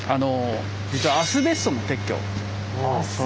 実はアスベストの撤去。